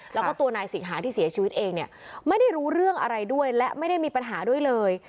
แล้วก็ตัวนายสิงหาที่เสียชีวิตเองเนี่ยไม่ได้รู้เรื่องอะไรด้วยและไม่ได้มีปัญหาด้วยเลย